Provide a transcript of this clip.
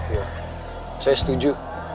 yo saya setuju